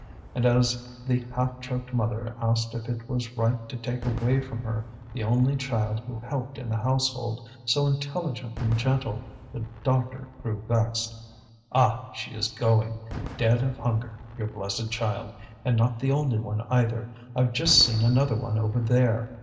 And as the half choked mother asked if it was right to take away from her the only child who helped in the household, so intelligent and gentle, the doctor grew vexed. "Ah! she is going. Dead of hunger, your blessed child. And not the only one, either; I've just seen another one over there.